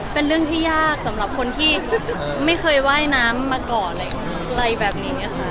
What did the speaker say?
เป็นเรื่องที่ยากสำหรับคนที่ไม่เคยว่ายน้ำมาก่อนอะไรแบบนี้ค่ะ